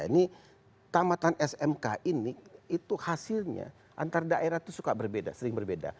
ini tamatan smk ini itu hasilnya antar daerah itu suka berbeda sering berbeda